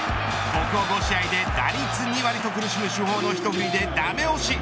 ここ５試合で、打率２割と苦しむ主砲のひと振りでダメ押し。